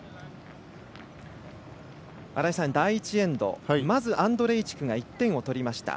第１エンドまずアンドレイチクが１点を取りました。